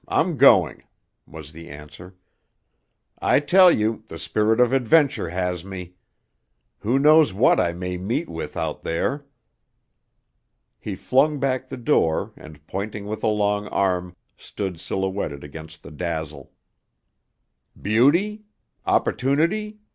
I'm going," was the answer. "I tell you, the spirit of adventure has me. Who knows what I may meet with out there?" He flung back the door and, pointing with a long arm, stood silhouetted against the dazzle. "Beauty? Opportunity?